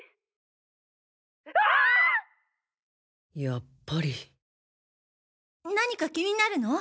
やっぱり何か気になるの？